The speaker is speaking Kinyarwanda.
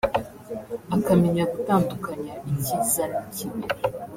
akamenya gutandukanya ikiza n’ikibi